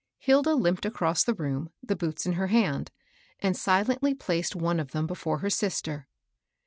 Hilda limped across the room, the boots in her hand, and silently placed one of them before her sister.